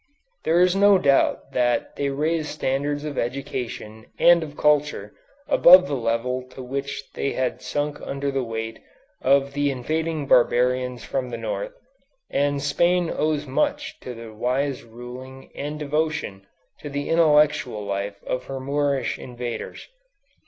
There is no doubt that they raised standards of education and of culture above the level to which they had sunk under the weight of the invading barbarians from the North, and Spain owes much to the wise ruling and devotion to the intellectual life of her Moorish invaders.